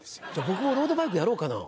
僕もロードバイクやろうかな？